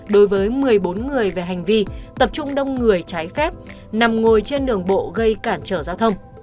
đối với một mươi bốn người về hành vi tập trung đông người trái phép nằm ngồi trên đường bộ gây cản trở giao thông